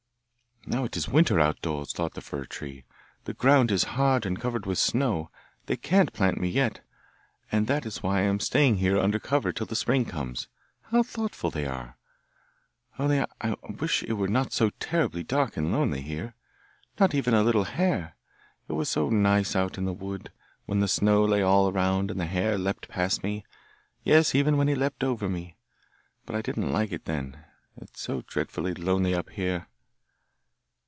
'Now it is winter out doors,' thought the fir tree. 'The ground is hard and covered with snow, they can't plant me yet, and that is why I am staying here under cover till the spring comes. How thoughtful they are! Only I wish it were not so terribly dark and lonely here; not even a little hare! It was so nice out in the wood, when the snow lay all around, and the hare leapt past me; yes, even when he leapt over me: but I didn't like it then. It's so dreadfully lonely up here.